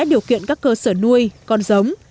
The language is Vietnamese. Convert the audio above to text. điều kiện các cơ sở nuôi con giống